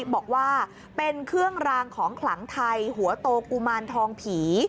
บอกว่าเป็นเครื่องรางของขลังไทยหัวโตกุมารทองผี